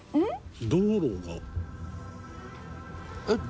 道路が？えっ？